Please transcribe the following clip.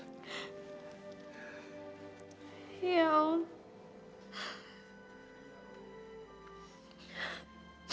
dan bisa om bertemu kembali dengan anissa